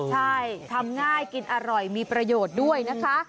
ใช่ทำง่ายกินอร่อยมีประโยชน์ด้วยนะคะ